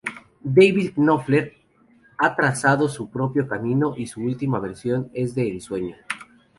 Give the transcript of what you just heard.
David Knopfler ha trazado su propio camino y su última versión es de ensueño.